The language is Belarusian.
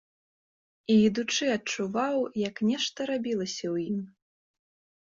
І ідучы адчуваў, як нешта рабілася ў ім.